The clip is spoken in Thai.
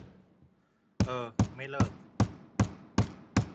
เอ้อ ไม่เลิก